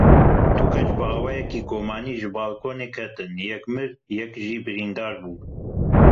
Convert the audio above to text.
Du keç bi awayekî gumanî ji balkonê ketin; yek mir, yek jî birîndar bû.